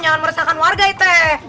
jangan meresahkan warga it